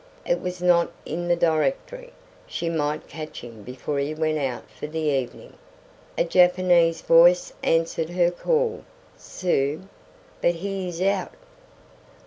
It was not in the directory. She might catch him before he went out for the evening. A Japanese voice answered her call. "'Souse, but he iss out."